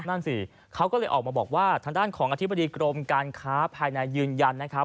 นั่นสิเขาก็เลยออกมาบอกว่าทางด้านของอธิบดีกรมการค้าภายในยืนยันนะครับ